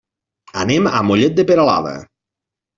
Anem a Mollet de Peralada.